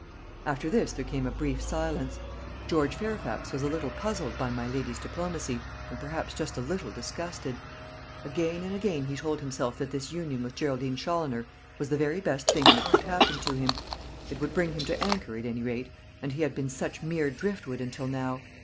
After this there came a brief silence. George Fairfax was a little puzzled by my lady's diplomacy, and perhaps just a little disgusted. Again and again he told himself that this union with Geraldine Challoner was the very best thing that could happen to him; it would bring him to anchor, at any rate, and he had been such mere driftwood until now.